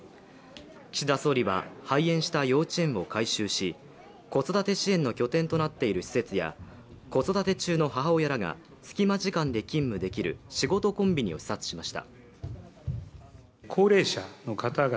岸田総理は廃園した幼稚園を改修し子育て支援の拠点となっている施設や子育て中の母親ｒが隙間時間で勤務できるしごとコンビニを視察しました。